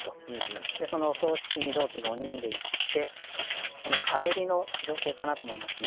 でそのお葬式に同期五人で行ってその帰りの情景かなと思いますね。